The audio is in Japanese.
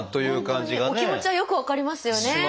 本当にお気持ちはよく分かりますよね。